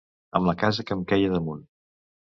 Amb la casa que em queia damunt.